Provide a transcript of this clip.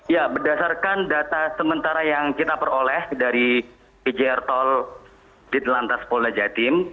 ya berdasarkan data sementara yang kita peroleh dari pjr tol di telantas polda jatim